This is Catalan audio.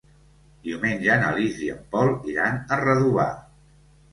Diumenge na Lis i en Pol iran a Redovà.